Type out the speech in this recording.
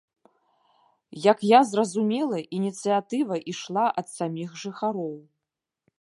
Як я зразумела, ініцыятыва ішла ад саміх жыхароў.